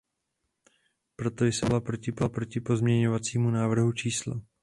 Proto jsem hlasovala proti pozměňovacímu návrhu č.